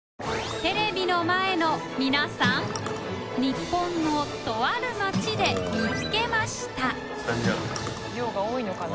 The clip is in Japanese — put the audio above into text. テレビの前の皆さん日本のとある町で見つけましたスタミナ。